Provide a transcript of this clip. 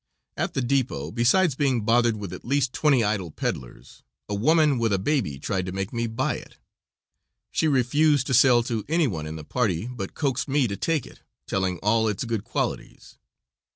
At the depot, besides being bothered with at least twenty idol peddlers, a woman with a baby tried to make me buy it. She refused to sell to any one in the party, but coaxed me to take it, telling all its good qualities.